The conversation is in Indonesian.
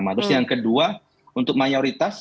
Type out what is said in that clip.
terus yang kedua untuk mayoritas